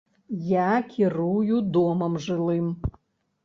Я кірую домам жылым.